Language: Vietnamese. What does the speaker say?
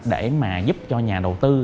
để mà giúp cho nhà đầu tư